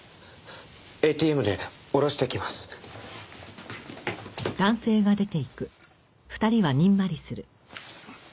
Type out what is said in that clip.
ＡＴＭで下ろしてきます。